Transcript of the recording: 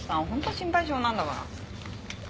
心配性なんだから。